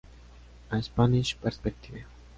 A Spanish Perspective.